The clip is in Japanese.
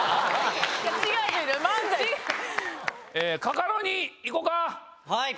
カカロニ行こうか！